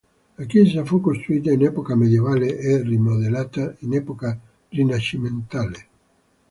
La chiesa fu costruita in epoca medievale e rimodellata in epoca rinascimentale.